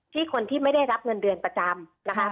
คนที่ไม่ได้รับเงินเดือนประจำนะคะ